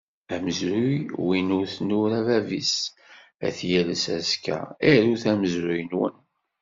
Amezruy win ur t-nura bab-is ad t-yalles azekka, arut amezruy-nwen!